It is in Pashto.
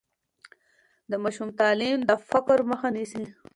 د ماشوم تعلیم د فقر مخه نیسي.